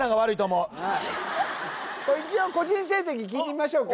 一応個人成績聞いてみましょうか？